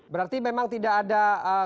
berarti memang tidak ada